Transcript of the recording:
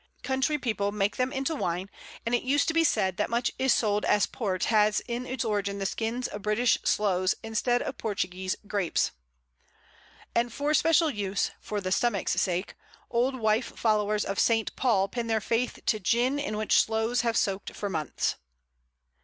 Country people make them into wine, and it used to be said that much that is sold as port had its origin in the skins of British sloes instead of Portuguese grapes. And for special use "for the stomach's sake" old wife followers of St. Paul pin their faith to gin in which Sloes have soaked for months.